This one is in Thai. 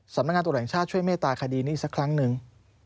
สำนักงานตรวจแห่งชาติช่วยเมตตาคดีนี้สักครั้งหนึ่ง